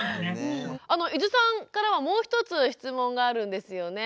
伊豆さんからはもう一つ質問があるんですよね。